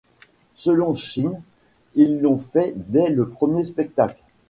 Selon Shinn, ils l'ont fait dès le premier spectacle.